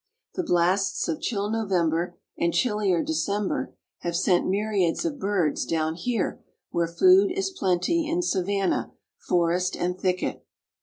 The blasts of chill November and chillier December have sent myriads of birds down here where food is plenty in savannah, forest and thicket.